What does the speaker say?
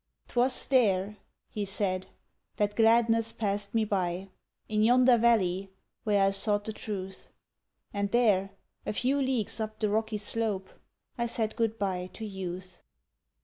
"'Twas there," he said, "that gladness passed me by, In yonder valley, where I sought the truth; And there, a few leagues up the rocky slope, I said good bye to Youth.